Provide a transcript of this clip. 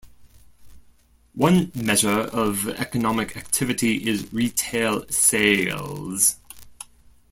One measure of economic activity is retail sales.